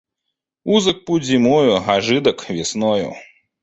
Узок путь зимою, а жидок - весною.